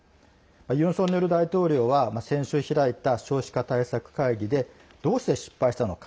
ユン・ソンニョル大統領は先週開いた少子化対策会議でどうして失敗したのか。